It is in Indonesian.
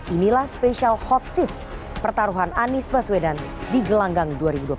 inilah spesial hot seat pertaruhan anies baswedan di gelanggang dua ribu dua puluh empat